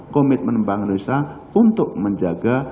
komitmen bank indonesia untuk menjaga